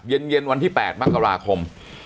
เย็นวันที่๘มกราคม